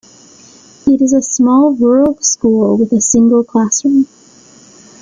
It is a small rural school with a single classroom.